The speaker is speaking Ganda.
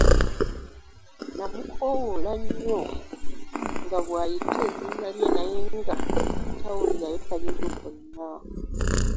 N'amukoowoola nnyo nga bw'ayita erinnya lye naye nga tawulirayo kanyego konna.